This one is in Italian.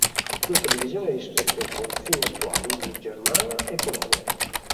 Questa divisione rispecchia i confini attuali di Germania e Polonia.